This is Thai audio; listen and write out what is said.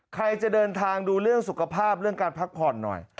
ใครจะเดินทางดูเรื่องสุขภาพเรื่องการพักผ่อนหน่อย